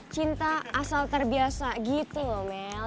cinta asal terbiasa gitu loh mel